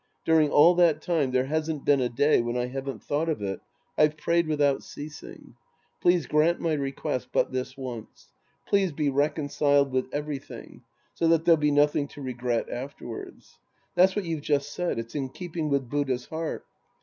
During all that time, there hasn't been a day when I haven't thought of it. I've prayed without ceasing. Please grant my request but tWs once. Please be reconciled with evetytliing, so that there'll be nothing to regret afterwards. That's what you've just said. It's in keeping with Buddha's heart.